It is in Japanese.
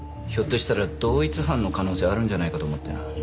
ひょっとしたら同一犯の可能性あるんじゃないかと思ってな。